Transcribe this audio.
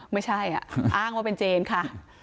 ไม่ใช่อ้างว่าเป็นเจนค่ะ